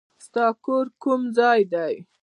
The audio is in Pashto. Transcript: ستا کور کوم ځای دی؟